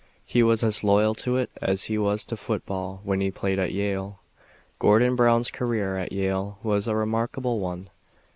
He was as loyal to it as he was to football when he played at Yale. Gordon Brown's career at Yale was a remarkable one.